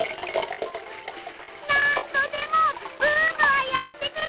何度でもブームはやって来る！